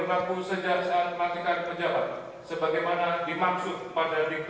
lalu kebangsaan indonesia baik